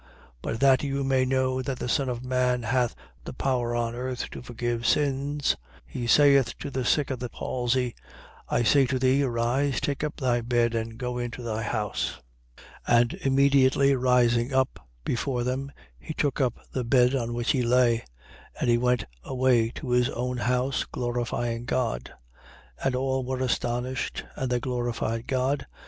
But that you may know that the Son of man hath the power on earth to forgive sins (he saith to the sick of the palsy), I say to thee to: Arise, take up thy bed and go into thy house. 5:25. And immediately rising up before them, he took up the bed on which he lay: and he went away to his own house, glorifying God. 5:26. And all were astonished: and they glorified God.